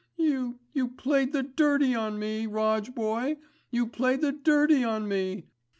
You—you played the dirty on me, Roj boy, you played the dirty on me.